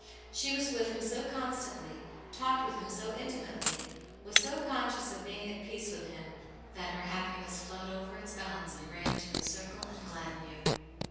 She was with him so constantly, talked with Him so intimately, was so conscious of being at peace with Him that her happiness flowed over its bounds and ran to encircle and gladden you.